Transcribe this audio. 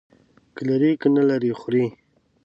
که لري، که نه لري، خوري.